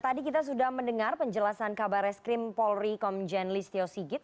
tadi kita sudah mendengar penjelasan kabar reskrim polri komjen listio sigit